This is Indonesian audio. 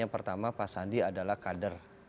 yang pertama pak sandi adalah kader